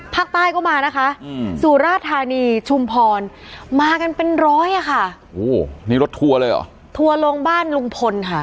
ภาคใต้ก็มานะคะสุราธานีชุมพรมากันเป็นร้อยอ่ะค่ะโอ้นี่รถทัวร์เลยเหรอทัวร์ลงบ้านลุงพลค่ะ